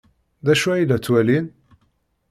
D acu ay la ttwalin?